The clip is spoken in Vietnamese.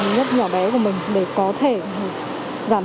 nhất nhỏ bé của mình để có thể giảm